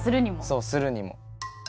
そうするにも。